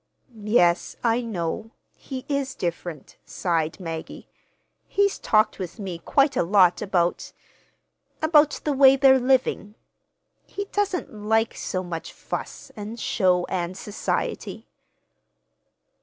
"Yes, I know. He is different," sighed Maggie. "He's talked with me quite a lot about—about the way they're living. He doesn't like—so much fuss and show and society."